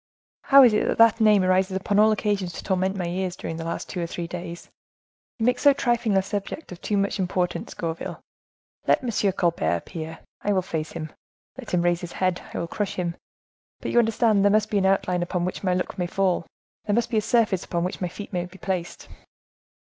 "How is it that that name rises upon all occasions to torment my ears, during the last two or three days? You make so trifling a subject of too much importance, Gourville. Let M. Colbert appear, I will face him; let him raise his head, I will crush him; but you understand, there must be an outline upon which my look may fall, there must be a surface upon which my feet may be placed."